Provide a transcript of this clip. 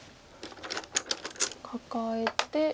カカえて。